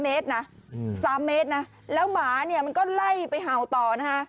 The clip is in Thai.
เมตรนะ๓เมตรนะแล้วหมาเนี่ยมันก็ไล่ไปเห่าต่อนะฮะ